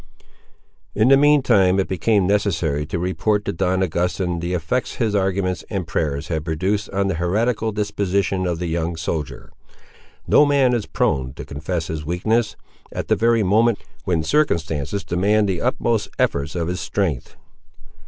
In the mean time, it became necessary to report to Don Augustin, the effects his arguments and prayers had produced on the heretical disposition of the young soldier. No man is prone to confess his weakness, at the very moment when circumstances demand the utmost efforts of his strength.